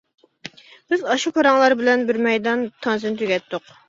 بىز ئاشۇ پاراڭلار بىلەن بىر مەيدان تانسىنى تۈگەتتۇق.